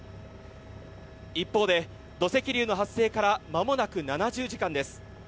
一方で土石流の発生からまもなく７０時間です。